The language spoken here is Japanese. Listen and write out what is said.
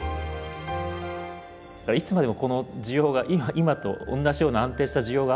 いつまでもこの需要が今と同じような安定した需要があるのかなと。